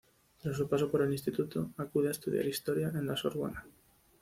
Tras su paso por el instituto, acude a estudiar Historia en La Sorbona.